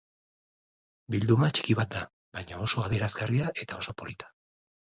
Bilduma txiki bat da, baina oso adierazgarria eta oso polita.